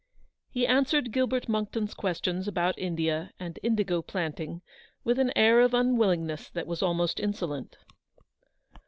He answered Gilbert Monckton's questions about India and indigo planting with an air of unwillingness that was almost insolent.